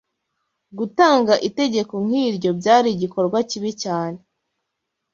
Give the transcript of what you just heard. Gutanga itegeko nk’iryo byari igikorwa kibi cyane